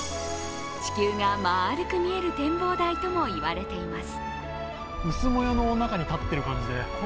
地球が丸く見える展望台ともいわれています。